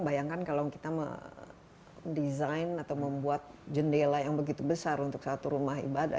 bayangkan kalau kita mendesain atau membuat jendela yang begitu besar untuk satu rumah ibadah